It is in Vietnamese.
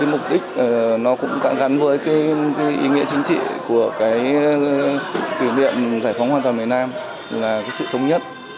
mục đích gắn với ý nghĩa chính trị của kỷ niệm giải phóng hoàn toàn miền nam là sự thống nhất